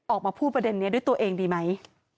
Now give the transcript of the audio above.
ออกมาพูดประเด็นนี้ด้วยตัวเองดีไหม